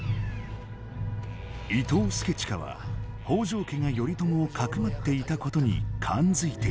伊東祐親は北条家が頼朝を匿っていたことに感づいていた。